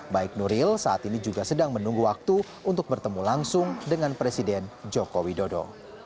baik nuril saat ini juga sedang menunggu waktu untuk bertemu langsung dengan presiden joko widodo